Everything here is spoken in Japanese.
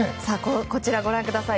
こちら、ご覧ください。